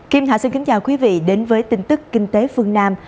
kim hạ xin kính chào quý vị đến với tin tức kinh tế phương nam